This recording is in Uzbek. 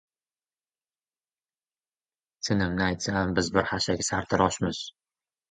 — Chinimni aytsam, biz bir xashaki sartaroshmiz!